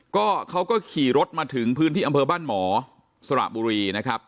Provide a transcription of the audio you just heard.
ก็เขาก็ขี่รถมาถึงพื้นที่อำเภอบ้านหมอสระบุรีนะครับ